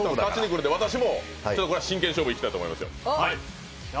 私も真剣勝負、いきたいと思いますよ。